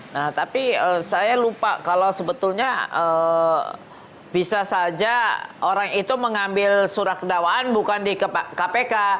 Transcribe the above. nah tapi saya lupa kalau sebetulnya bisa saja orang itu mengambil surat dakwaan bukan di kpk